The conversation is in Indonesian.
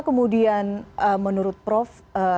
kemudian menurut prof